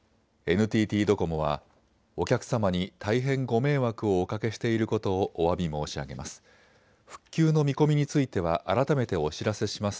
ＮＴＴドコモはお客様に大変ご迷惑をおかけしていることをおわび申し上げます。